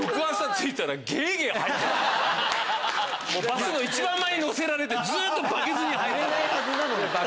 バスの一番前に乗せられてずっとバケツに吐いてた。